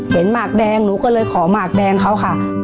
หมากแดงหนูก็เลยขอหมากแดงเขาค่ะ